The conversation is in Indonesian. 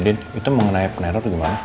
oh ya itu mengenai peneror gimana